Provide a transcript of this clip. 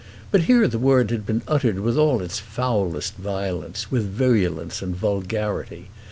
But here the word had been uttered with all its foulest violence, with virulence and vulgarity.